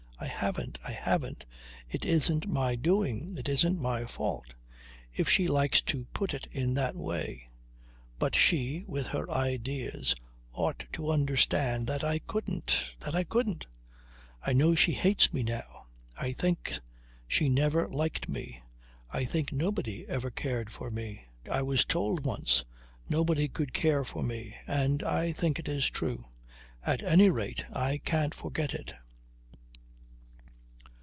I haven't. I haven't. It isn't my doing. It isn't my fault if she likes to put it in that way. But she, with her ideas, ought to understand that I couldn't, that I couldn't ... I know she hates me now. I think she never liked me. I think nobody ever cared for me. I was told once nobody could care for me; and I think it is true. At any rate I can't forget it."